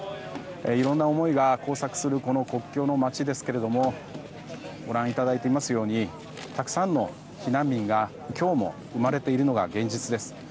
いろんな思いが交錯する国境の街ですがご覧いただいていますようにたくさんの避難民が今日も生まれているのが現実です。